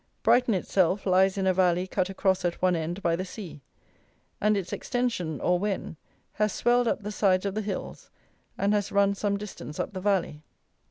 Brighton itself lies in a valley cut across at one end by the sea, and its extension, or Wen, has swelled up the sides of the hills and has run some distance up the valley.